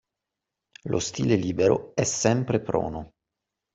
Lo stile libero è sempre prono